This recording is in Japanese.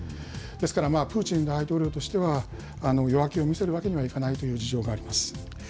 ですからプーチン大統領としては、弱気を見せるわけにはいかないという事情があります。